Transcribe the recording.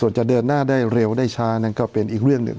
ส่วนจะเดินหน้าได้เร็วได้ช้านั้นก็เป็นอีกเรื่องหนึ่ง